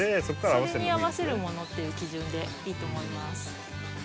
それに合わせるものっていう基準でいいと思います。